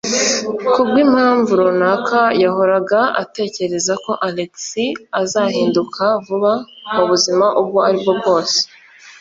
Kubwimpamvu runaka yahoraga atekereza ko Alex azahinduka vuba mubuzima ubwo aribwo bwose.